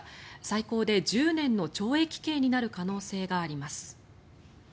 最高で１０年の懲役刑になる可能性があります。